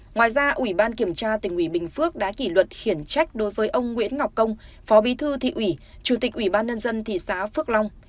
ngoài ra ủy ban kiểm tra tỉnh ủy bình phước đã kỷ luật khiển trách đối với ông nguyễn ngọc công phó bí thư thị ủy chủ tịch ủy ban nhân dân thị xã phước long